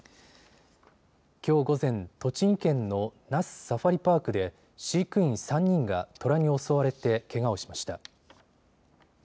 きょう午前、栃木県の那須サファリパークで飼育員３人がトラに襲われてけがをしました。